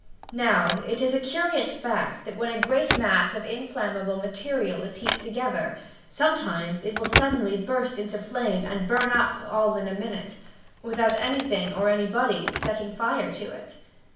Now, it is a curious fact that when a great mass of inflammable material is heaped together, sometimes it will suddenly burst into flame and burn up all in a minute, without anything or anybody setting fire to it.